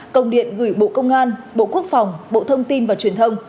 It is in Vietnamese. công điện gửi bộ công an bộ quốc phòng bộ thông tin và truyền thông